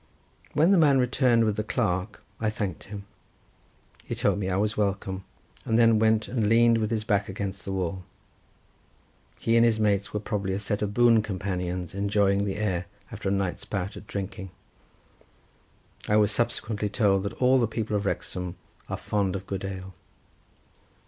When the man returned with the clerk I thanked him. He told me I was welcome, and then went and leaned with his back against the wall. He and his mates were probably a set of boon companions enjoying the air after a night's bout at drinking. I was subsequently told that all the people of Wrexham are fond of good ale.